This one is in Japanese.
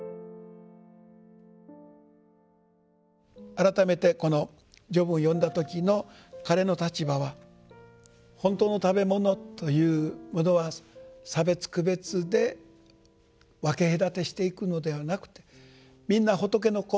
改めてこの序文を読んだ時の彼の立場は「ほんたうのたべもの」というものは差別区別で分け隔てしていくのではなくてみんな仏の子。